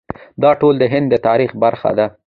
دا ټول د هند د تاریخ برخه ده.